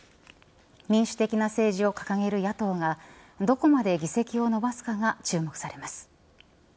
民主的な政治を掲げる野党がどこまで議席を延ばすかが注目されます。